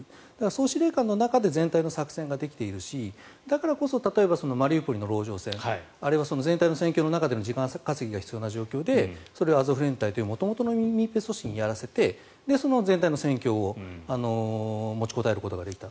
総司令官の中で全体の作戦ができているしだからこそマリウポリの籠城戦あれは全体の戦況の中での時間稼ぎが必要な状況でそれをアゾフ連隊という元々、民兵組織にやらせてそれで全体の戦況が持ちこたえることができた。